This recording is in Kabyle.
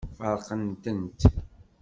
Feṛqen-tent.